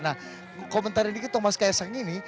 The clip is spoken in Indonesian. nah komentarin dikit dong mas kaisang ini